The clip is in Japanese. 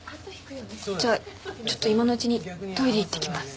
じゃあちょっと今のうちにトイレ行ってきます。